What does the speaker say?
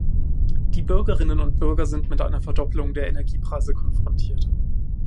Die Bürgerinnen und Bürger sind mit einer Verdoppelung der Energiepreise konfrontiert.